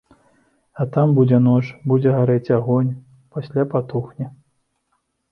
А там будзе ноч, будзе гарэць агонь, пасля патухне.